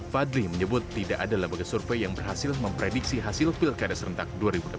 fadli menyebut tidak ada lembaga survei yang berhasil memprediksi hasil pilkada serentak dua ribu delapan belas